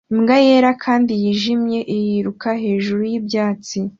Imbwa yera kandi yijimye yiruka hejuru yibyatsi